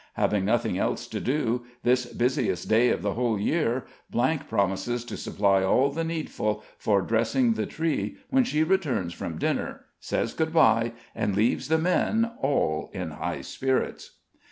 Having nothing else to do, this busiest day of the whole year, promises to supply all the needful, for dressing the tree, when she returns from dinner, says goodbye, and leaves the men all in high spirits.